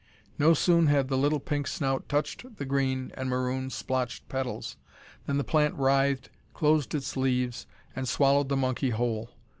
No sooner had the little pink snout touched the green and maroon splotched petals, than the plant writhed, closed its leaves, and swallowed the monkey whole.